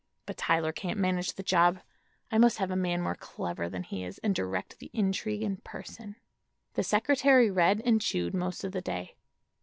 But Tyler can't manage the job; I must have a man more clever than he is, and direct the intrigue in person." The secretary read and chewed most of the day.